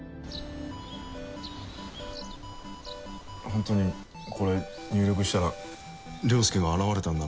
ホントにこれ入力したら良介が現れたんだな？